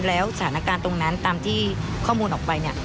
แล้วสถานการณ์ตรงนั้นตามที่ข้อมูลออกไปเนี่ย